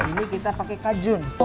ini kita pakai kajun